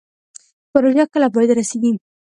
پروژه کله پای ته رسیږي؟